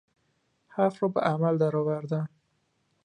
حرف را به عمل درآوردن